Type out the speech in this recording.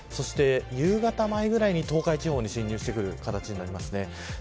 夕方前ぐらいに東海地方に進入してくる形です。